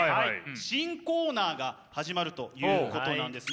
新コーナーが始まるということなんですね。